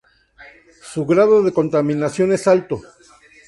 Su grado de contaminación es alto.